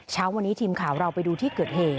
เช้าวันนี้ทีมข่าวเราไปดูที่เกิดเหตุ